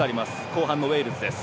後半のウェールズです。